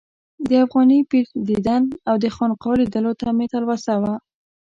د افغاني پیر دیدن او د خانقا لیدلو ته مې تلوسه وه.